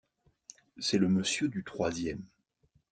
C’est le monsieur du troisième.